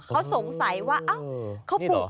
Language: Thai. เขาสงสัยว่าเค้าปลูกกล้วยนะ